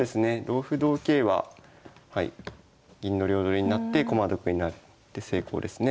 同歩同桂ははい銀の両取りになって駒得になって成功ですね。